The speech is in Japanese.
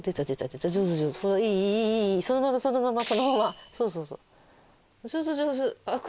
いいいいそのままそのままそのままそうそうそう。